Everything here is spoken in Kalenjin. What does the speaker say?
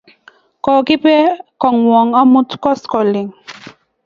Kokipe kong'wan amut koskoling'